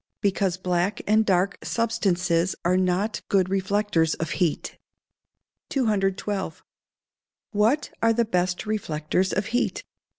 _ Because black and dark substances are not good reflectors of heat. 212. _What are the best reflectors of heat?